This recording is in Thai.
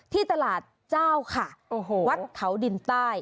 ที่ตลาดเจ้าค่ะวัดเขาดินใต้